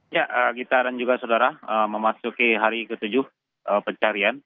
ya gita dan juga saudara memasuki hari ke tujuh pencarian